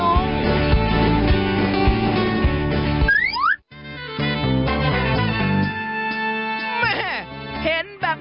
เห็นแบบนี้แล้วก็พาไปแล้วนะครับลุง